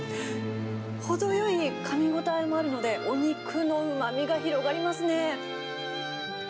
程よいかみ応えもあるので、お肉のうまみが広がりますね。